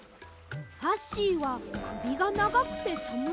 ファッシーはくびがながくてさむそうです。